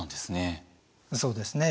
そうですね。